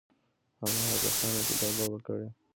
هماغه کسانو چې دا لوبه کړې.